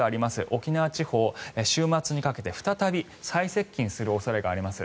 沖縄地方、週末にかけて再び最接近する恐れがあります。